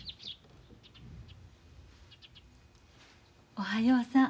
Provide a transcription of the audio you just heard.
おはようさん。